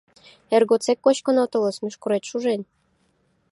Эр годсек кочкын отылыс, мӱшкырет шужен.